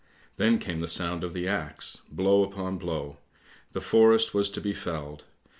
Then came the sound of the axe, blow upon blow; the forest was to be felled.